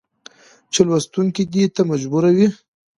چې لوستونکى دې ته مجبور وي